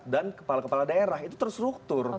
kepala kepala daerah itu terstruktur